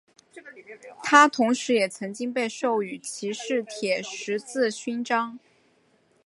他同时也曾经被授予骑士铁十字勋章。